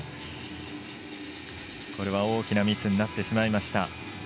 これは大きなミスになってしまいました。